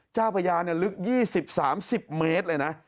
เจ้าพญาลึก๒๐๓๐เมตรเลยนะ